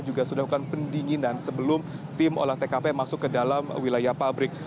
juga sudah melakukan pendinginan sebelum tim olah tkp masuk ke dalam wilayah pabrik